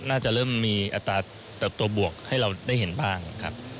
น่าจะเริ่มมีอัตราเติบตัวบวกให้เราได้เห็นบ้างครับ